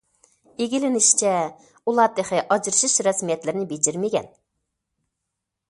ئىگىلىنىشىچە، ئۇلار تېخى ئاجرىشىش رەسمىيەتلىرىنى بېجىرمىگەن.